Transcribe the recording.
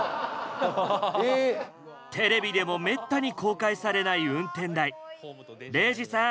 テレビでもめったに公開されない運転台礼二さん